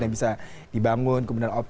yang bisa dibangun